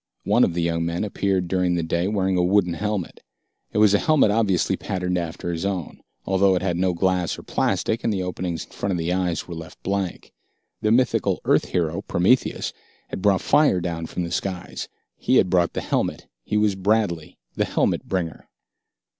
One of the young men appeared during the day wearing a wooden helmet. It was a helmet obviously patterned after his own, although it had no glass or plastic, and the openings in front of the eyes were left blank. The mythical Earth hero, Prometheus, had brought fire down from the skies. He had brought the Helmet. He was Bradley, the Helmet Bringer.